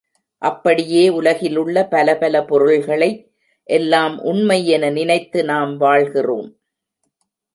அப்படியே உலகிலுள்ள பலபல பொருள்களை எல்லாம் உண்மை என நினைத்து நாம் வாழ்கிறோம்.